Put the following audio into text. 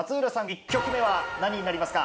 １曲目は何になりますか？